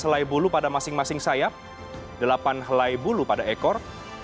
dua belas helai bulu pada masing masing sayap delapan helai bulu pada ekor